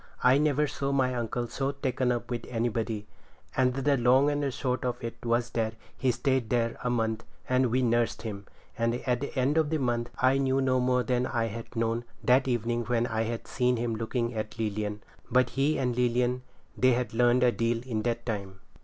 I never saw my uncle so taken up with anybody; and the long and the short of it was that he stayed there a month, and we nursed him; and at the end of the month I knew no more than I had known that evening when I had seen him looking at Lilian; but he and Lilian, they had learned a deal in that time.